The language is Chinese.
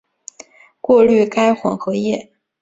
过滤该混合液。